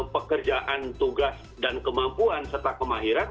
pekerjaan tugas dan kemampuan serta kemahiran